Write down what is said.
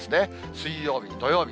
水曜日、土曜日、